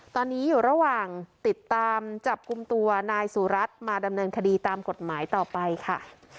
ตอนนี้อยู่ระหว่างติดตามจับกลุ่มตัวนายสุรัตน์มาดำเนินคดีตามกฎหมายต่อไปค่ะ